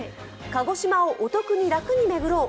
鹿児島をお得に楽に巡ろう。